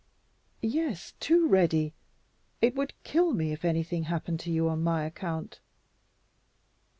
"Yes, too ready. It would kill me if anything happened to you on my account."